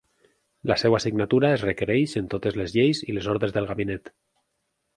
La seua signatura es requerix en totes les lleis i les ordres del gabinet.